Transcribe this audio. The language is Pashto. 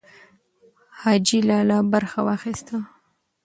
حاجي لالی برخه واخیسته.